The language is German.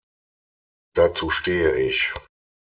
Dazu stehe ich.